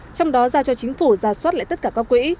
trong đó giao cho chính phủ ra soát lại tất cả các quỹ